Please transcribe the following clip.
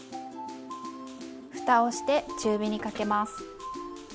ふたをして中火にかけます。